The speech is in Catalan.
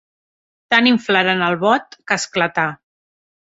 Tant inflaren el bot, que esclatà.